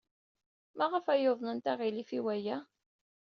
Maɣef ay uḍnent aɣilif i waya?